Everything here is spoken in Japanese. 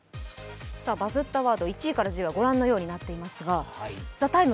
１位から１０位はご覧のようになっていますが「ＴＨＥＴＩＭＥ，」